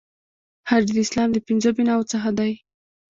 حج د اسلام د پنځو بناوو څخه دی.